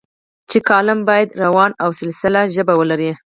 چې کالم باید روانه او سلیسه ژبه ولري.